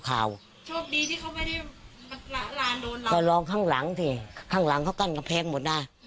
ก็ลองข้างหลังที่เข้ากั้นกำแพงหมดน่า